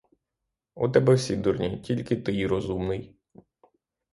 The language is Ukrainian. У тебе всі дурні, тільки ти й розумний.